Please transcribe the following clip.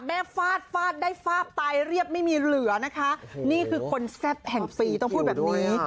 ฟาดฟาดได้ฟาดตายเรียบไม่มีเหลือนะคะนี่คือคนแซ่บแห่งปีต้องพูดแบบนี้